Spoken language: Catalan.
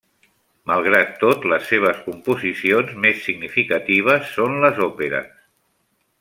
Malgrat tot, les seves composicions més significatives són les òperes.